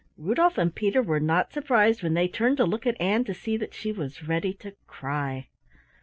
Rudolf and Peter were not surprised when they turned to look at Ann to see that she was ready to cry.